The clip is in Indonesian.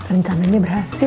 rencana ini berhasil